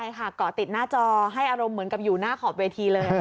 ใช่ค่ะเกาะติดหน้าจอให้อารมณ์เหมือนกับอยู่หน้าขอบเวทีเลย